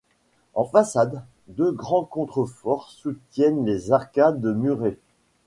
En façade, deux grands contreforts soutiennent les arcades murées.